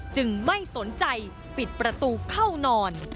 ไม่สนใจปิดประตูเข้านอน